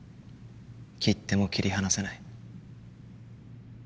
切っても切り離せない。